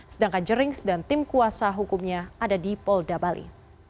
sedangkan jerings dan tim kuasa hukumnya ada di polda bali